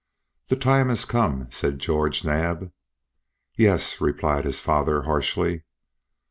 "The time has come!" said George Naab. "Yes," replied his father, harshly.